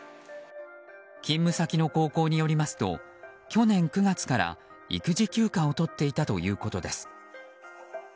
勤務先の高校によりますと去年９月から育児休暇をとっていたということです。